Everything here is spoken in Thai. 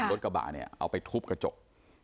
รถกระบาลเอาไปทุบกระจก